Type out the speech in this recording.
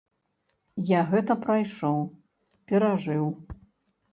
Я гэта прайшоў, перажыў.